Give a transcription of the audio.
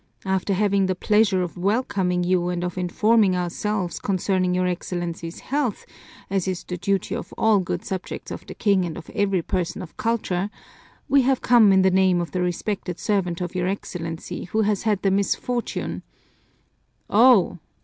"After having the pleasure of welcoming you and of informing ourselves concerning your Excellency's health, as is the duty of all good subjects of the King and of every person of culture, we have come in the name of the respected servant of your Excellency who has had the misfortune " "Oh!"